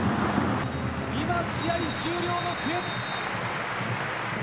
今、試合終了の笛。